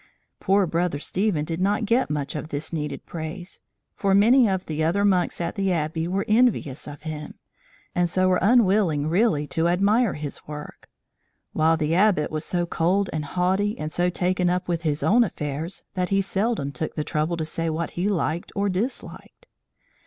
Poor Brother Stephen did not get much of this needed praise, for many of the other monks at the Abbey were envious of him, and so were unwilling really to admire his work; while the Abbot was so cold and haughty and so taken up with his own affairs, that he seldom took the trouble to say what he liked or disliked.